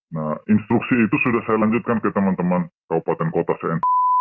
nah instruksi itu sudah saya lanjutkan ke teman teman kabupaten kota saya